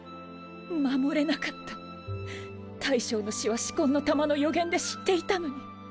護れなかった大将の死は四魂の玉の予言で知っていたのに！？